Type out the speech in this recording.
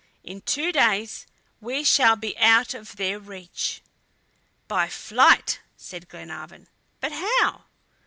In two days we shall be out of their reach." "By flight!" said Glenarvan. "But how?"